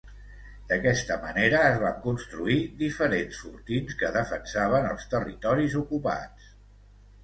D'aquesta manera es van construir diferents fortins que defensaven els territoris ocupats.